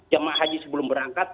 jamaah haji sebelum berangkat